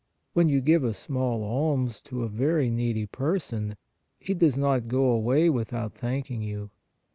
When you give a small alms to a very needy person, he does not go away without thanking you.